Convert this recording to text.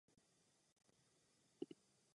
To je také důkazem vysoké kvality výrobku.